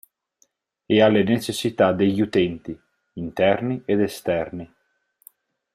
E alle necessità degli utenti (interni ed esterni).